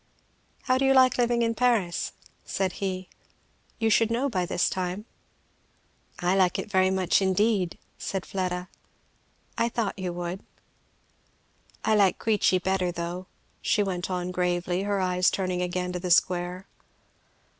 "How do you like living in Paris?" said he. "You should know by this time." "I like it very much indeed," said Fleda. "I thought you would." "I like Queechy better though," she went on gravely, her eyes turning again to the square.